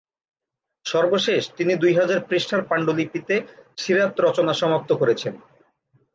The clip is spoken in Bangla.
সর্বশেষ তিনি দুই হাজার পৃষ্ঠার পাণ্ডুলিপিতে সীরাত রচনা সমাপ্ত করেছেন।